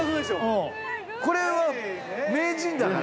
うんこれは名人だから？